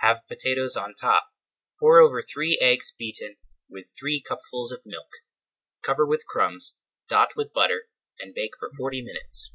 Have potatoes on top. Pour over three eggs beaten with three cupfuls of milk. Cover with crumbs, dot with butter, and bake for forty minutes.